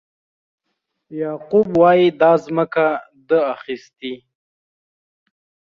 یعقوب وایي دا ځمکه ده اخیستې.